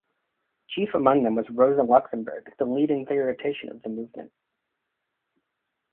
Chief among them was Rosa Luxemburg, the leading theoretician of the movement.